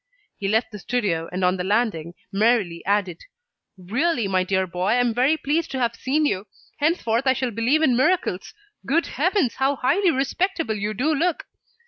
He left the studio, and on the landing merrily added: "Really, my dear boy, I am very pleased to have seen you. Henceforth, I shall believe in miracles. Good heavens! How highly respectable you do look!"